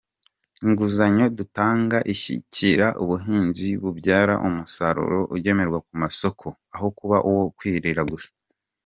Inguzanyo dutanga ishyigikira ubuhinzi bubyara umusaruro ugemurwa ku masoko aho kuba uwo kwirira gusa.